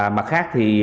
mặt khác thì